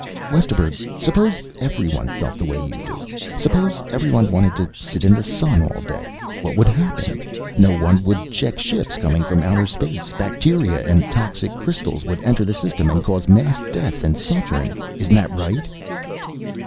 "Westerburg, suppose everyone felt the way you do? Suppose everyone wanted to sit in the sun all day? What would happen? No one would check ships coming from outer space. Bacteria and toxic crystals would enter the system and cause mass death and suffering. Isn't that right?"